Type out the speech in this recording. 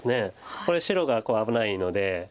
これ白が危ないので。